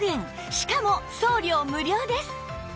しかも送料無料です